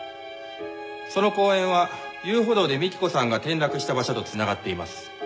その公園は遊歩道で幹子さんが転落した場所と繋がっています。